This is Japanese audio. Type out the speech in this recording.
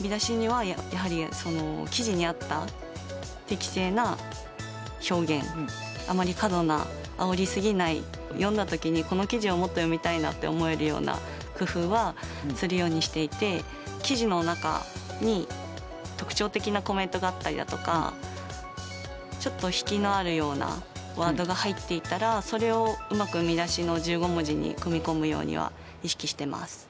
見出しにはやはりその記事に合った適正な表現あまり過度なあおり過ぎない読んだ時にこの記事をもっと読みたいなって思えるような工夫はするようにしていて記事の中に特徴的なコメントがあったりだとかちょっと引きのあるようなワードが入っていたらそれをうまく見出しの１５文字に組み込むようには意識してます。